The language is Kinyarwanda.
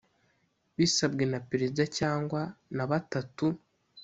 bisabwe na Perezida cyangwa na batatu